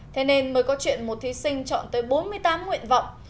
thế nên mới có chuyện một thí sinh chọn tới bốn mươi tám nguyện vọng